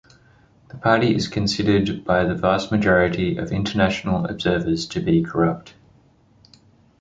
The party is considered by the vast majority of international observers to be corrupt.